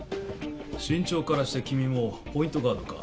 身長からして君もポイントガードか？